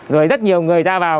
rồi rất nhiều người ra vào